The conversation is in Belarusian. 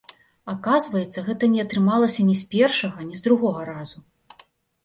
Аказваецца, гэта не атрымалася ні з першага, ні з другога разу!